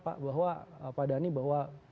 pak bahwa pak dhani bahwa